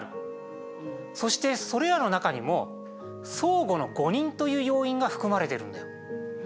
そしてそれらの中にも相互の誤認という要因が含まれてるんだよ。